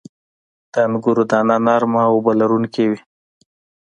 • د انګورو دانه نرمه او اوبه لرونکې وي.